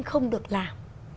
không được làm